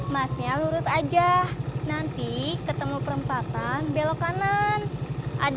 masnya lurus aja nanti ketemu perempatan belok kanan ada